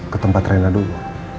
ke tempat rena dulu